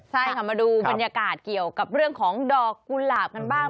ใช่ค่ะมาดูบรรยากาศเกี่ยวกับเรื่องของดอกกุหลาบกันบ้าง